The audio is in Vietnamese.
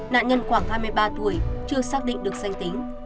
nạn nhân khoảng hai mươi ba tuổi chưa xác định được danh tính